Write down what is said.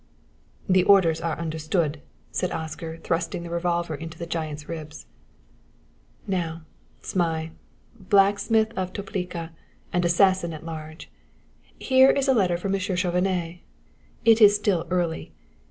"The orders are understood," said Oscar, thrusting the revolver into the giant's ribs. "Now, Zmai, blacksmith of Toplica, and assassin at large, here is a letter for Monsieur Chauvenet. It is still early.